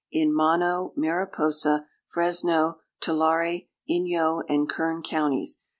= In Mono, Mariposa, Fresno, Tulare, Inyo, and Kern counties.